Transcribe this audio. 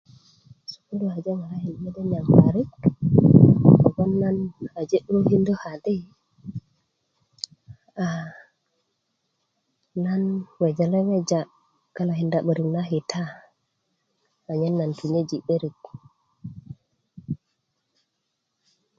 sukulu aje ŋarakin mede niyaŋ parik kobgoŋ nan aje 'dukökindö kadi a nan weja weja galakina na 'börik na kita anyen nan tutunyoju 'börik